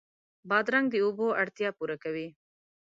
بادرنګ د اوبو اړتیا پوره کوي.